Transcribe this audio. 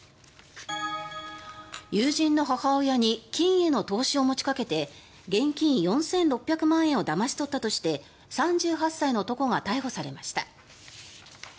友人の母親に金への投資を持ちかけて現金４６００万円をだまし取ったとして３８歳の男が逮捕されました。